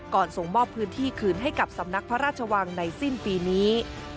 ส่งมอบพื้นที่คืนให้กับสำนักพระราชวังในสิ้นปีนี้